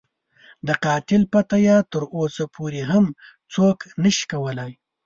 د قاتل پته یې تر اوسه پورې هم څوک نه شي کولای.